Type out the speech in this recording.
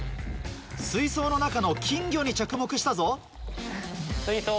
水槽の中の金魚に着目したぞ。